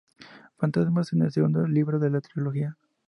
Fantasmas es el segundo libro de la trilogía.